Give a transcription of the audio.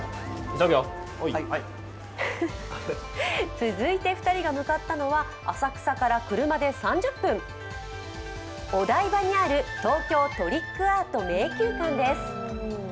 続いて２人が向かったのは浅草から車で３０分お台場にある東京トリックアート迷宮館です。